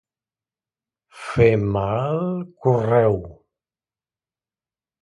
Fer mal correu.